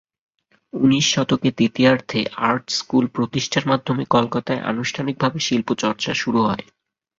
উনিশ শতকের দ্বিতীয়ার্ধে আর্ট স্কুল প্রতিষ্ঠার মাধ্যমে কলকাতায় আনুষ্ঠানিকভাবে শিল্প চর্চা শুরু হয়।